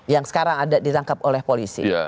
yang sekarang ada ditangkap oleh polisi